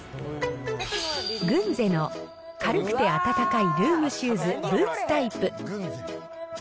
グンゼの軽くて暖かいルームシューズブーツタイプ。